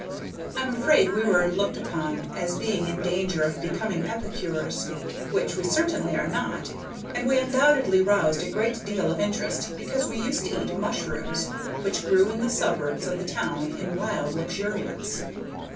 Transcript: I am afraid we were looked upon as being in danger of becoming epicures, which we certainly are not, and we undoubtedly roused a great deal of interest because we used to eat mushrooms, which grew in the suburbs of the town in wild luxuriance.